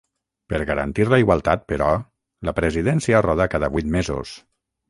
Per garantir la igualtat, però, la presidència roda cada vuit mesos.